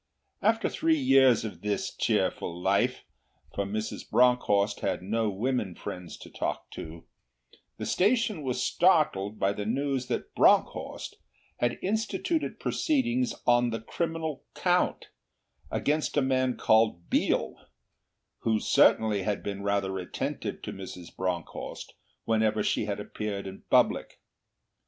After three years of this cheerful life for Mrs. Bronckhorst had no women friends to talk to the station was startled by the news that Bronckhorst had instituted proceedings on the criminal count, against a man called Biel, who certainly had been rather attentive to Mrs. Bronckhorst whenever she had appeared in public.